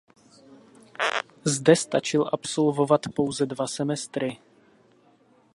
Zde stačil absolvovat pouze dva semestry.